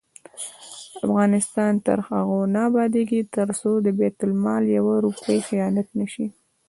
افغانستان تر هغو نه ابادیږي، ترڅو د بیت المال یوه روپۍ خیانت نشي.